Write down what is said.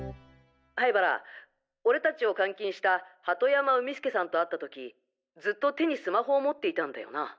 灰原俺達を監禁した鳩山海輔さんと会った時ずっと手にスマホを持っていたんだよな？